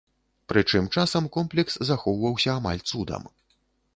Прычым, часам комплекс захоўваўся амаль цудам.